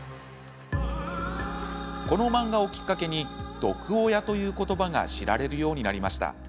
この漫画をきっかけに毒親という言葉が知られるようになりました。